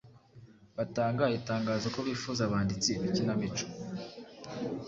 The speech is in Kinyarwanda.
batanga itangazo ko bifuza abanditsi b’ikinamico